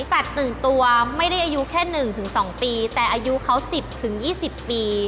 สัตว์ตึงตัวไม่ได้อายุแค่หนึ่งถึงสองปีแต่อายุเขาสิบถึงยี่สิบปี